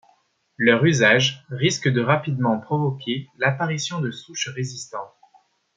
Leur usage risque de rapidement provoquer l’apparition de souches résistantes.